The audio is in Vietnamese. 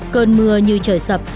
cơn mưa như trời sáng